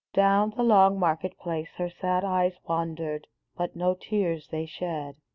Down the long market place Her sad eyes wandered, but no tears they shed.